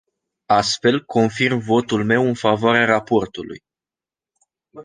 Astfel, confirm votul meu în favoarea raportului.